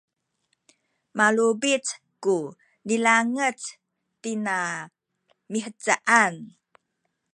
malubic ku nilangec tina mihcaan